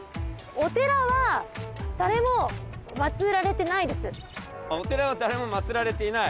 お寺は誰も祭られていない。